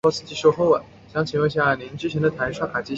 曾希圣是邓小平与卓琳结婚的介绍人。